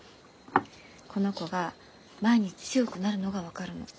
この子が毎日強くなるのが分かるの。